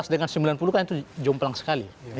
dengan sembilan puluh kan itu jomplang sekali